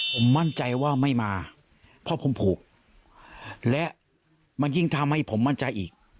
ผมมั่นใจว่าไม่มาเพราะผมผูกและมันยิ่งทำให้ผมมั่นใจอีก